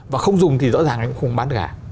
và không dùng thì rõ ràng anh cũng không bán được cả